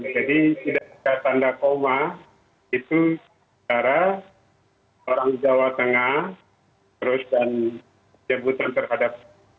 jadi tidak ada tanda koma itu cara orang jawa tengah terus dan jemputan terhadap